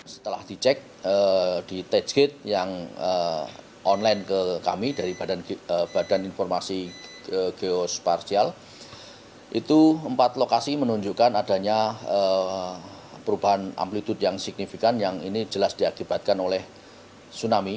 setelah dicek di tedge gate yang online ke kami dari badan informasi geospartial itu empat lokasi menunjukkan adanya perubahan amplitude yang signifikan yang ini jelas diakibatkan oleh tsunami